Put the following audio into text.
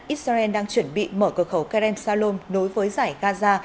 israel đang chuẩn bị mở cửa khẩu kerem salom nối với giải gaza